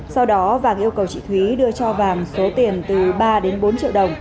sau đó vàng yêu cầu chị thúy đưa cho vàm số tiền từ ba đến bốn triệu đồng